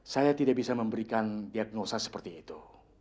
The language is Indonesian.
saya tidak bisa memberikan diagnosa seperti itu